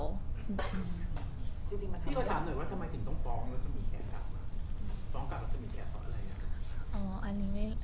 พี่เขาถามหน่อยว่าทำไมถึงต้องฟ้องแล้วสมีแกกลับ